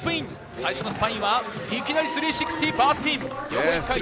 最初のスパインは、いきなり３６０バースピン。